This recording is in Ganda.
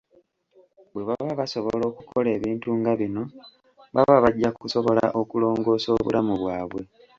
Bwe baba basobola okukola ebintu nga bino, baba bajja kusobola okulongoosa obulamu bwabwe.